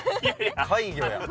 怪魚やん。